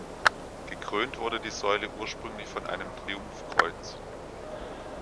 Gekrönt wurde die Säule ursprünglich von einem Triumphkreuz.